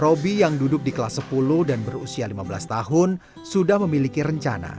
roby yang duduk di kelas sepuluh dan berusia lima belas tahun sudah memiliki rencana